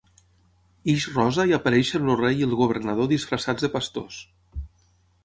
Ix Rosa i apareixen el rei i el governador disfressats de pastors.